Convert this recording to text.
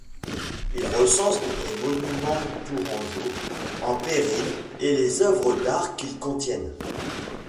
Il recense les monuments tourangeaux en péril et les œuvres d'art qu'ils contiennent.